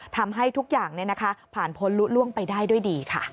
ทำให้ทุกอย่างผ่านพ้นลุล่วงไปได้ด้วยดีค่ะ